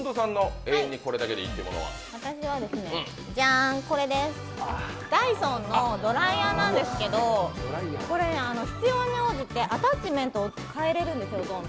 私はダイソンのドライヤーなんですけどこれ、必要に応じてアタッチメントをどんどん代えられるんです。